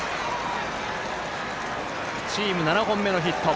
チーム７本目のヒット。